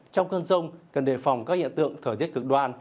trong cơn rông cần đề phòng các hiện tượng thở thiết cực đoan